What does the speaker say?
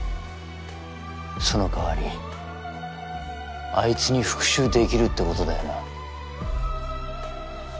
その代わりあいつに復讐できるって事だよな？